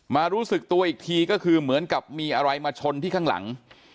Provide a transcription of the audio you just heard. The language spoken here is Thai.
รู้สึกตัวอีกทีก็คือเหมือนกับมีอะไรมาชนที่ข้างหลัง